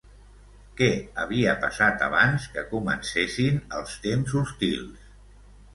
Què havia passat abans que comencessin els temps hostils?